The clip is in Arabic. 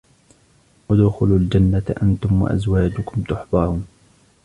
ادخلوا الجنة أنتم وأزواجكم تحبرون